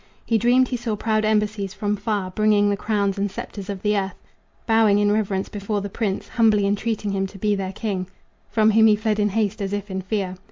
He dreamed he saw proud embassies from far Bringing the crowns and scepters of the earth, Bowing in reverence before the prince, Humbly entreating him to be their king From whom he fled in haste as if in fear.